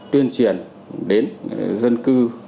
tuyên truyền đến dân cư